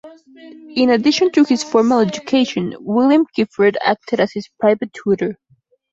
In addition to his formal education, William Gifford acted as his private tutor.